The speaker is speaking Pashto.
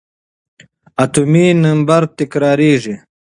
اتومي نمبر تکرارېږي.